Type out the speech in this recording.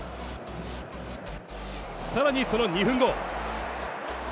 さらにその２分後。